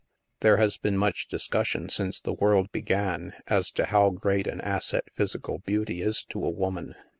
There has been much discussion since the world began as to how great an asset physical beauty is to a woman.